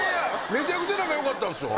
めちゃくちゃ仲良かったんすよ。